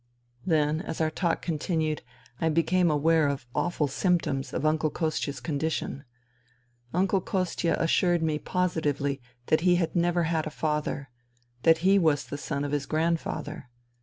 Then, as our talk continued, I became aware of awful symptoms of Uncle Kostia' s condition. Uncle Kostia assured me positively that he had never had a father : that he was the son of his grandfather.